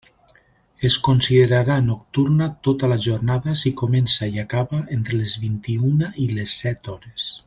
Es considerarà nocturna tota la jornada si comença i acaba entre les vint-i-una i les set hores.